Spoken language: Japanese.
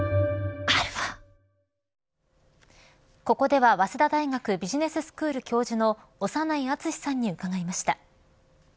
ここでは、早稲田大学ビジネススクール教授の長内厚さんに伺いました。